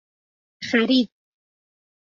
خرید